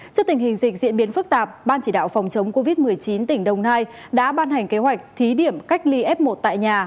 trước tình hình dịch diễn biến phức tạp ban chỉ đạo phòng chống covid một mươi chín tỉnh đồng nai đã ban hành kế hoạch thí điểm cách ly f một tại nhà